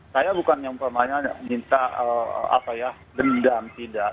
saya bukan yang minta dendam tidak